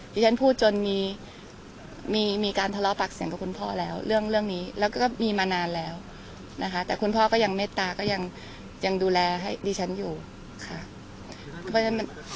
ที่ฉันพูดจนมีการทะเลาะปากเสียงกับคุณพ่อแล้วเรื่องนี้แล้วก็มีมานานแล้วนะคะแต่คุณพ่อก็ยังเมตตาก็ยังดูแลให้ดิฉันอยู่ค่ะ